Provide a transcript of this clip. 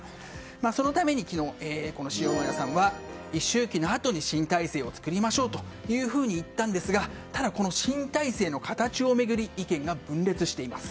そのために昨日、塩谷さんは一周忌のあとに新体制を作りましょうと言ったんですがただ、新体制の形を巡り意見が分裂しています。